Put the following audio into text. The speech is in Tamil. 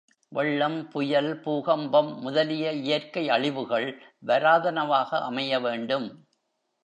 வெள்ளம், புயல், பூகம்பம் முதலிய இயற்கை அழிவுகள் வாராதனவாக அமைய வேண்டும்.